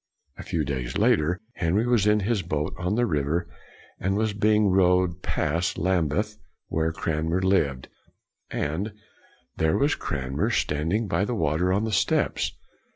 A few days later, Henry was in his boat on the river, and was being rowed past Lambeth, where Cran mer lived, and there was Cranmer stand ing by the water on the steps.